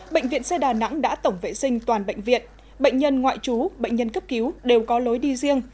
bệnh viện xe đà nẵng đã tổng vệ sinh toàn bệnh viện bệnh nhân ngoại trú bệnh nhân cấp cứu đều có lối đi riêng